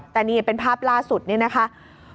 แต่นี้เป็นภาพล่าสุดเนี่ยครับ